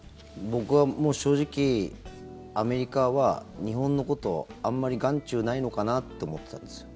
僕は正直アメリカは日本のことあんまり眼中にないのかなと思ってたんですよ。